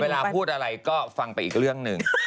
เวลาพูดอะไรก็ฟังไปอีกเรื่องหนึ่ง